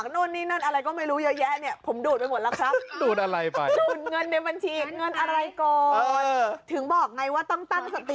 คุณเจนดิ้ครับค่ะโอเคโอเคโอเคโอเคค่ะ